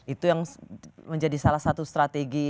itu yang menjadi salah satu strategi